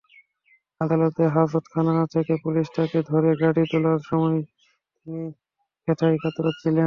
আদালতের হাজতখানা থেকে পুলিশ তাঁকে ধরে গাড়িতে তোলার সময় তিনি ব্যথায় কাতরাচ্ছিলেন।